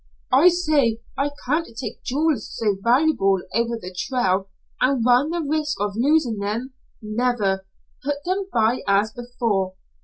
"I say, I can't take jewels so valuable over the trail and run the risk of losing them. Never! Put them by as before."